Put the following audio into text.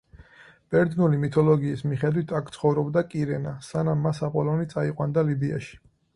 ბერძნული მითოლოგიის მიხედვით აქ ცხოვრობდა კირენა, სანამ მას აპოლონი წაიყვანდა ლიბიაში.